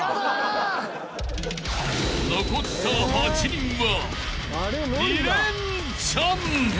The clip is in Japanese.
［残った８人は］